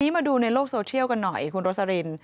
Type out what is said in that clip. มาดูในโลกโซเทียลกันหน่อยคุณโรสลิน